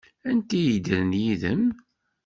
Anti ay yeddren yid-m?